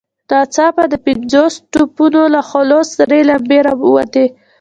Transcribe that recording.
ناڅاپه د پنځوسو توپونو له خولو سرې لمبې را ووتې.